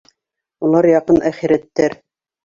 Улар яҡын әхирәттәр.